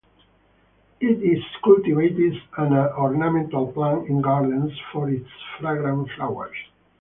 It is cultivated as an ornamental plant in gardens for its fragrant flowers.